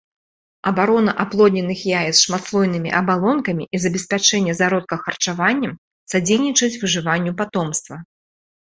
Абарона аплодненых яец шматслойнымі абалонкамі і забеспячэнне зародка харчаваннем садзейнічаюць выжыванню патомства.